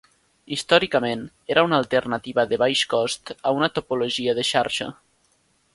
Històricament, era una alternativa de baix cost a una topologia de xarxa.